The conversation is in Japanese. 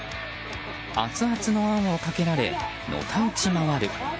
アツアツのあんをかけられのたうち回る。